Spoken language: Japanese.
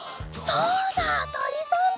そうだとりさんだ。